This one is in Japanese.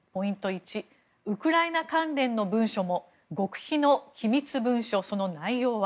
１ウクライナ関連の文書も極秘の機密文書その内容は？